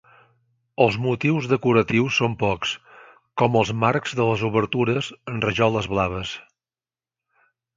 Els motius decoratius són pocs, com els marcs de les obertures en rajoles blaves.